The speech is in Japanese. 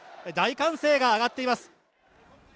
大歓声が上がっています。